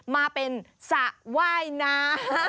มาเป็นสระว่ายน้ำ